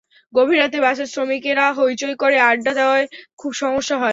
গভীর রাতে বাসের শ্রমিকেরা হইচই করে আড্ডা দেওয়ায় খুব সমস্যা হয়।